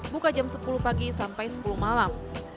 buka jam sepuluh pagi sampai sepuluh malam